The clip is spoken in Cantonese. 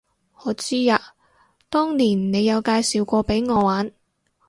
我知啊，當年你有介紹過畀我玩